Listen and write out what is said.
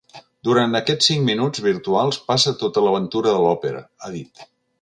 Durant aquests cinc minuts virtuals passa tota l’aventura de l’òpera, ha dit.